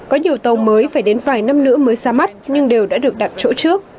có nhiều tàu mới phải đến vài năm nữa mới ra mắt nhưng đều đã được đặt chỗ trước